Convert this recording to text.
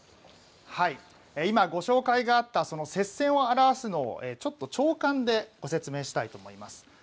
今、ご紹介があった接戦を表すのをちょっと朝刊でご説明したいと思います。